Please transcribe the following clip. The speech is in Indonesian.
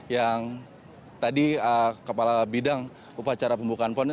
yang tadi kepala bidang upacara pembukaan pon